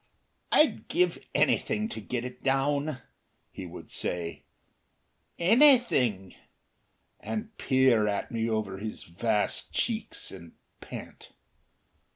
"I'd give anything to get it down," he would say "anything," and peer at me over his vast cheeks and pant.